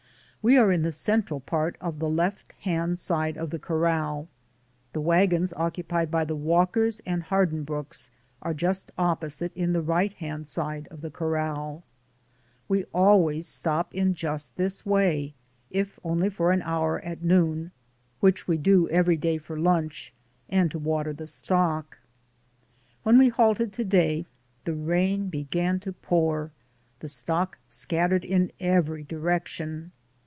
We are in the central part of the left hand side of the corral. The wagons occupied by the Walkers and Har dinbrookes are just opposite in the right hand side of the corral. We always stop in just this way, if only for an hour at noon — which we do every day for lunch, and to water the stock. DAYS ON THE ROAD. 79 When we halted to day, the rain began to pour, the stock scattered in every direction.